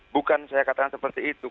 bukan saya katakan seperti itu